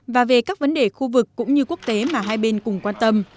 và về các vấn đề khu vực cũng như quốc tế mà hai bên cùng quan tâm